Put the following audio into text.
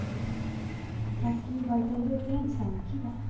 さっき売店で善一さんに聞いたさ。